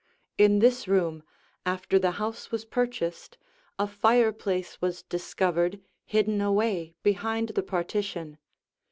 In this room, after the house was purchased, a fireplace was discovered hidden away behind the partition.